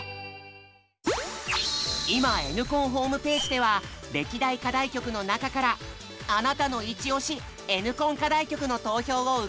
今Ｎコンホームページでは歴代課題曲の中から「あなたのイチオシ！Ｎコン課題曲」の投票を受付中！